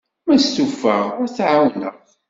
Ma stufaɣ, ad t-ɛawneɣ.